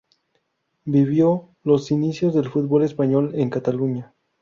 Vivió los inicios del fútbol español en Cataluña.